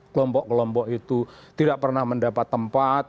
kelompok kelompok itu tidak pernah mendapat tempat